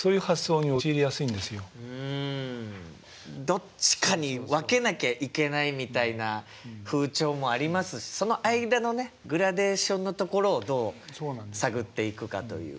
どっちかに分けなきゃいけないみたいな風潮もありますしその間のねグラデーションのところをどう探っていくかという。